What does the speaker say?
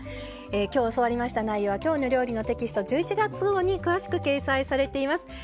今日教わりました内容は「きょうの料理」のテキスト１１月号に詳しく掲載されています。